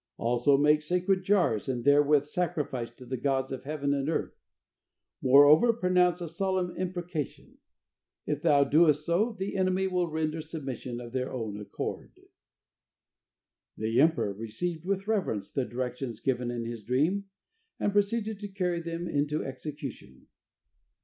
Also make sacred jars and therewith sacrifice to the gods of heaven and earth. Moreover pronounce a solemn imprecation. If thou doest so, the enemy will render submission of their own accord." The emperor received with reverence the directions given in his dream, and proceeded to carry them into execution.